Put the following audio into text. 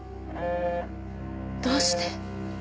どうして。